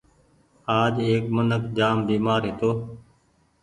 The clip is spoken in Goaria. آج ايڪ منک جآم بيمآر هيتو